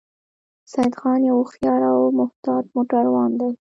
سیدخان یو هوښیار او محتاط موټروان دی